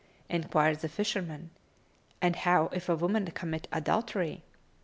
Enquired the fisherman, "And how if a woman commit adultery?"